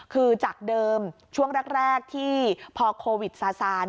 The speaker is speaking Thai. คือจากเดิมช่วงแรกที่พอโควิดซาซาน